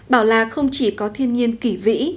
bảo lạc không chỉ có thiên nhiên kỷ vĩ